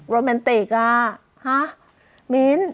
โรแมนติกอ่ะฮะมิ้น